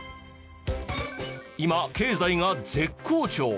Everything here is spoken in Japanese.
今経済が絶好調！